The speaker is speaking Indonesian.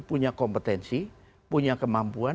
punya kompetensi punya kemampuan